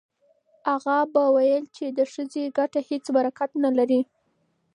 اغا به ویل چې د ښځې ګټه هیڅ برکت نه لري.